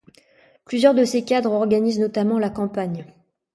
Plusieurs de ses cadres organisent notamment la campagne.